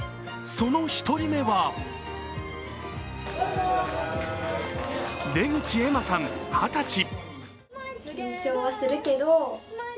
その１人目は出口愛万さん二十歳。